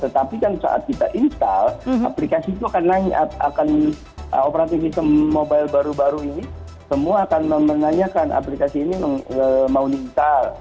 tetapi kan saat kita install aplikasi itu akan operatif mobile baru baru ini semua akan menanyakan aplikasi ini mau nikah